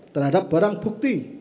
terhadap barang bukti